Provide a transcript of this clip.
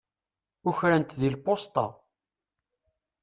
Ukren-t di lpusṭa.